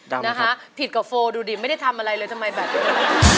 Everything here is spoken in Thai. โดพี่ผมที่ได้ว่าผิดกับโฟร์ดูดิไม่ได้ทำอะไรเลยทำไมแบบนี้